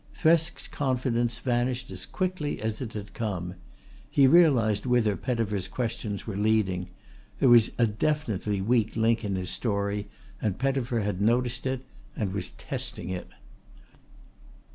Thresk's confidence vanished as quickly as it had come. He realised whither Pettifer's questions were leading. There was a definitely weak link in his story and Pettifer had noticed it and was testing it.